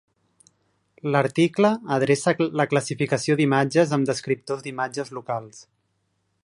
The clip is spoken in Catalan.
L'article adreça la classificació d'imatges amb descriptors d'imatges locals.